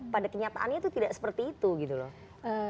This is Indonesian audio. pada kenyataannya itu tidak seperti itu gitu loh